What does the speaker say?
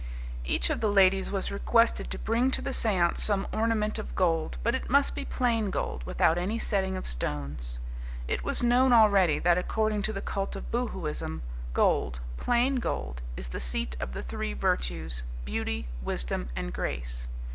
Each of the ladies was requested to bring to the seance some ornament of gold; but it must be plain gold, without any setting of stones. It was known already that, according to the cult of Boohooism, gold, plain gold, is the seat of the three virtues beauty, wisdom and grace.